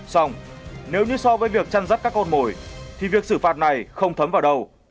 xong nếu như so với việc chăn rắt các con mồi thì việc xử phạt này không thấm vào đâu